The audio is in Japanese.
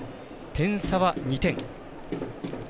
点差は２点。